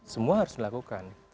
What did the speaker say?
semua harus dilakukan